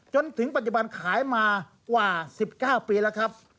จนถึงปัจจุบันขายมากว่า๑๙ปีแล้วครับ